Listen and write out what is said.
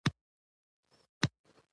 طلا د افغانستان د امنیت په اړه هم اغېز لري.